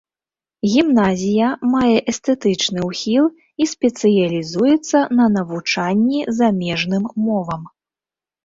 Гімназія мае эстэтычны ўхіл і спецыялізуецца на навучанні замежным мовам.